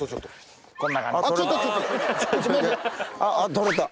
取れた。